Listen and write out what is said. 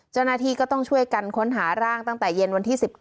เจ้าหน้าที่ก็ต้องช่วยกันค้นหาร่างตั้งแต่เย็นวันที่๑๙